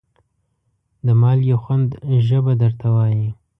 د مالګې خوند ژبه درته وایي.